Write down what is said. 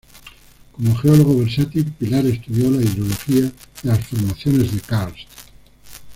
Como geólogo versátil, Pilar estudió la hidrología de las formaciones de karst.